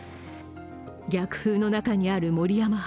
逆風の中にある森山派。